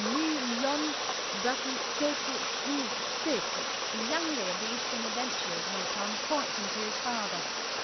"Me lun backee takee him safee," the younger of the Eastern adventurers went on, pointing to his father.